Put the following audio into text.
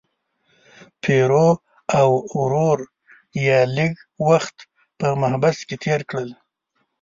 پیرو او ورور یې لږ وخت په محبس کې تیر کړ.